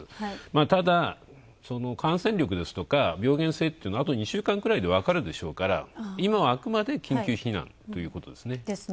ただ、感染力ですとか病原性っていうのはあと２週間くらいでわかるでしょうから、今はあくまで緊急避難ということですね。